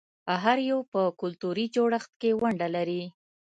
هر یو په کلتوري جوړښت کې ونډه لري.